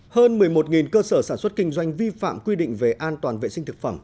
hơn một mươi một cơ sở sản xuất kinh doanh vi phạm quy định về an toàn vệ sinh thực phẩm